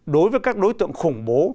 đối với các đối tượng khủng bố